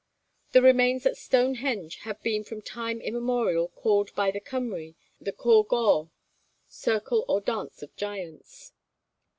The remains at Stonehenge have been from time immemorial called by the Cymry the Côr Gawr, Circle or Dance of Giants.